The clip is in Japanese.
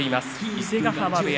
伊勢ヶ濱部屋